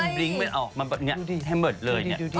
แต่หนูจะ๓๖แล้วนะ